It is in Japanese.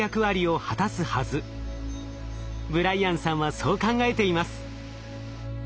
ブライアンさんはそう考えています。